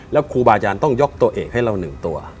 แล้วครูบาอาจารย์ต้องยกตัวเอกให้เรา๑ตัว